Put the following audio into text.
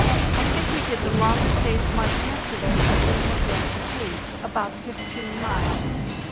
I think we did the longest day's march yester day that we have yet achieved—about 15 miles.